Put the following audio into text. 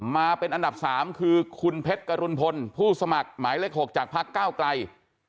มาเป็นอันดับ๓คือคุณเพชรกรุณพลผู้สมัครหมายเลข๖จากพักก้าวไกล